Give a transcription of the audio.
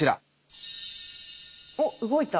おっ動いた。